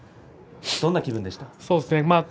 どんな気分でした？